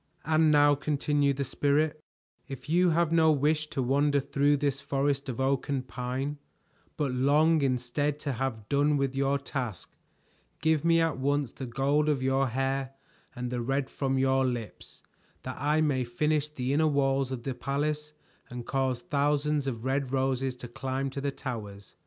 "And now," continued the Spirit, "if you have no wish to wander through this forest of oak and pine, but long instead to have done with your task, give me at once the gold of your hair and the red from your lips, that I may finish the inner walls of the palace and cause thousands of red roses to climb to the towers."